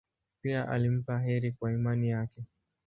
Pia alimpa heri kwa imani yake.